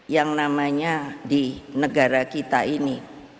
yang namanya di negara kita ini